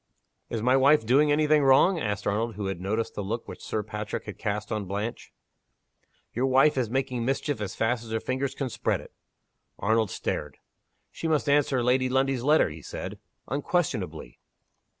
"Is my wife doing any thing wrong?" asked Arnold, who had noticed the look which Sir Patrick had cast on Blanche. "Your wife is making mischief as fast as her fingers can spread it." Arnold stared. "She must answer Lady Lundie's letter," he said. "Unquestionably."